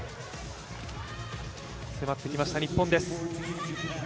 迫ってきました、日本です。